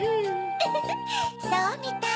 ウフフそうみたい。